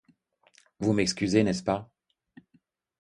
Vous m'excusez, n'est-ce pas?